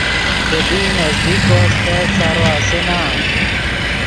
کیدی نزدیک کو استت سارو آسے نا۔